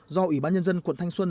do ủy ban nhân dân quận thanh xuân